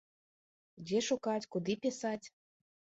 Дзе шукаць, куды пісаць.